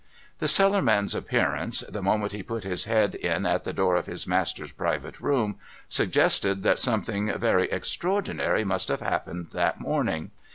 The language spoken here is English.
The Cellarman's appearance, the moment he put his head in at the door of his master's private room, suggested that something very extraordinary must have haj^pened that morning.